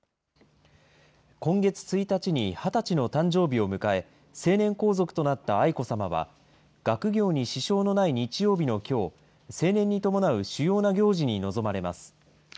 今月１日に２０歳の誕生日を迎え、成年皇族となった愛子さまは、学業に支障のない日曜日のきょう、成年に伴う主要な行事に臨まれます。